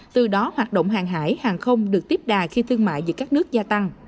từ đó hoạt động hàng hải hàng không được tiếp đà khi thương mại giữa các nước gia tăng